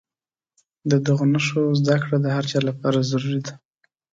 د دغو نښو زده کړه د هر چا لپاره ضروري ده.